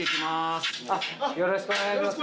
よろしくお願いします